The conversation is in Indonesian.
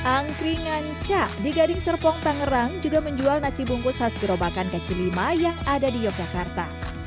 angkringan ca di gading serpong tangerang juga menjual nasi bungkus khas gerobakan kaki lima yang ada di yogyakarta